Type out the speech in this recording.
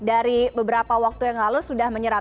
dari beberapa waktu yang lalu sudah menyerap